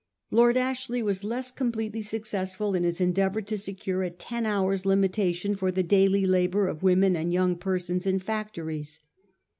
Lord Ashley was less completely successful in his endeavour to secure a ten hours' limitation for the daily labour of women and young persons in facto ries.